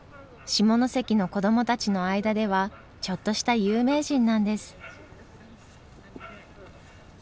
下関の子どもたちの間ではちょっとした有名人なんです。